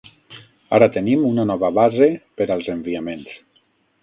Ara tenim una nova base per als enviaments.